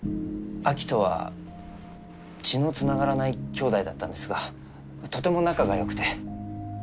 アキとは血の繋がらない兄妹だったんですがとても仲が良くて。